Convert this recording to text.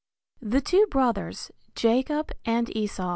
THE TWO BROTHERS, JACOB AND ESAU.